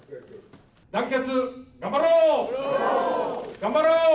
団結頑張ろう。